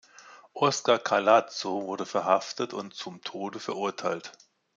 Oscar Collazo wurde verhaftet und zum Tode verurteilt.